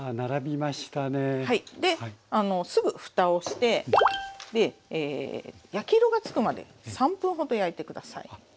ですぐふたをして焼き色がつくまで３分ほど焼いて下さい。